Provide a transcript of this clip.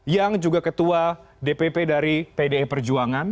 yang juga ketua dpp dari pde perjuruh